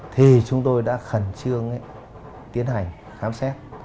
thì chúng tôi đã khẩn trương tiến hành khám xét